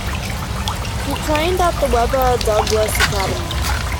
She trained at the Webber Douglas Academy.